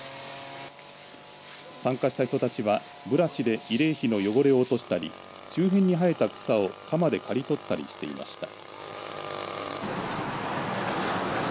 参加した人たちはブラシで慰霊碑の汚れを落としたり周辺に生えた草を鎌で刈り取ったりしていました。